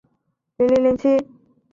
他也代表北爱尔兰各级国青队参赛。